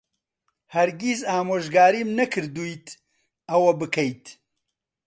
هەرگیز ئامۆژگاریم نەکردوویت ئەوە بکەیت.